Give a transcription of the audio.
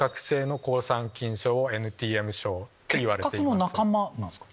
結核の仲間なんですか？